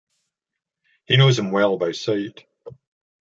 He knows him well by sight.